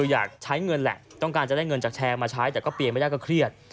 หากใช้เงินล่ะเราต้องการจะได้เงินจากตรไปใช้แต่ก็เปยมไม่ได้ก็เครียด